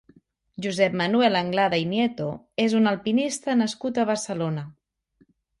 Josep Manuel Anglada i Nieto és un alpinista nascut a Barcelona.